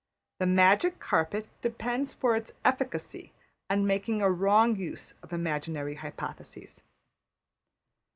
The magic carpet depends for its efficacy on making a wrong use of imaginary hypotheses.